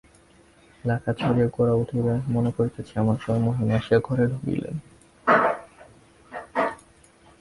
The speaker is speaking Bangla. লেখা ছাড়িয়া গোরা উঠিবে মনে করিতেছে এমন সময় মহিম আসিয়া ঘরে ঢুকিলেন।